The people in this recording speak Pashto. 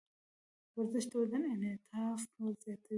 ورزش د بدن انعطاف زیاتوي.